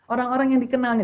orang orang yang dikenalnya